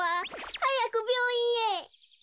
はやくびょういんへ。